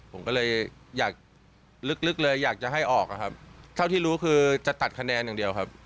ผมก็เลยอยากลึกเลยอยากจะให้ออกครับเท่าที่รู้คือจะตัดคะแนนอย่างเดียวครับ